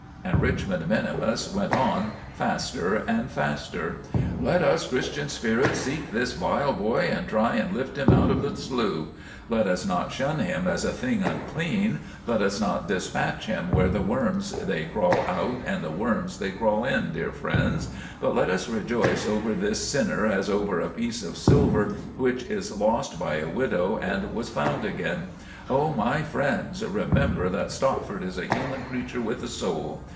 And Richmond minimus went on faster and faster. "Let us Christian spirits seek this vile boy and try and lift him out of the slough. Let us not shun him as a thing unclean; let us not dispatch him where the worms they crawl out and the worms they crawl in, dear friends, but let us rejoice over this sinner as over a piece of silver which is lost by a widow and was found again. Oh, my friends, remember that Stopford is a human creature with a soul.